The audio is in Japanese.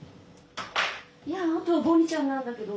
いやあとはボニーちゃんなんだけど。